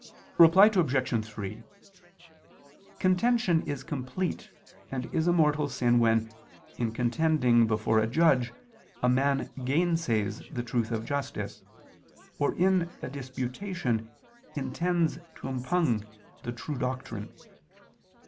Reply Obj. 3: Contention is complete and is a mortal sin when, in contending before a judge, a man gainsays the truth of justice, or in a disputation, intends to impugn the true doctrine.